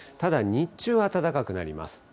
ただ日中は暖かくなります。